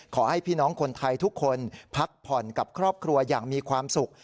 ขอให้พี่น้องคนไทยทุกคนพักผ่อนกับครอบครัวอย่างมีความสุข